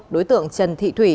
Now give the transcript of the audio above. đối tượng trần thị thủy